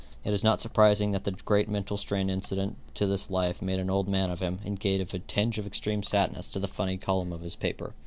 It is not surprising that the great mental strain incident to this life made an old man of him, and gave a tinge of extreme sadness to the funny column of his paper.